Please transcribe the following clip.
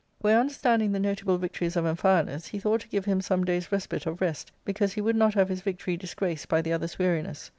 Where understanding the notable victories of Amphialus, he thought to give him some days' respite of rest, because he would not have his victory disgraced by the other's weariness.